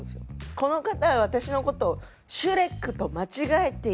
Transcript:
「この方は私のことをシュレックと間違えているんです。